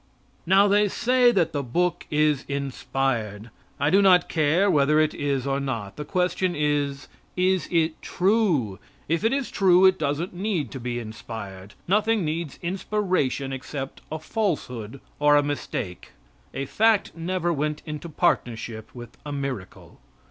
Now they say that the book is inspired. I do not care whether it is or not; the question is: Is it true? If it is true it doesn't need to be inspired. Nothing needs inspiration except a falsehood or a mistake. A fact never went into partnership with a miracle.